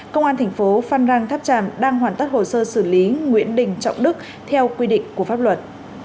công an thành phố phan rang tháp tràm đang hoàn tất hồ sơ xử lý nguyễn đình trọng đức theo quy định của pháp luật